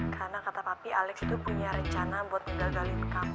karena kata papi alex itu punya rencana buat menggalgalin kamu